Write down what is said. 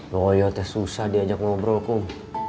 loh ya teh susah diajak ngobrol kum